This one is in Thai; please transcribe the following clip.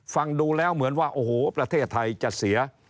ฟังดูแล้วเหมือนว่าโอ้โหประเทศไทยจะเสีย